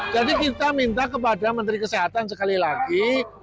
jadi kita minta kepada menteri kesehatan sekali lagi